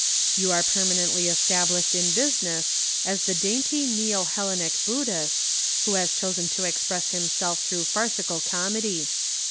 You are permanently established in business as the dainty neo Hellenic Buddhist who has chosen to express himself through farcical comedy.